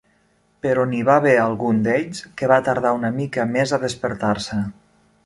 Però n'hi va haver algun d'ells que va tardar una mica més a despertar-se.